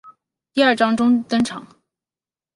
第二章中登场。